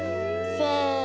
せの。